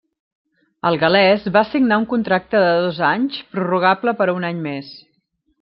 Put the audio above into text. El gal·lès va signar un contracte de dos anys, prorrogable per un any més.